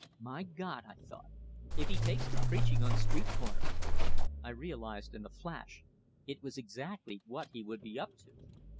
"My God!" I thought. "If he takes to preaching on street corners!" I realized in a flash it was exactly what he would be up to!